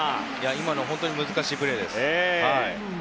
今のは本当に難しいプレーです。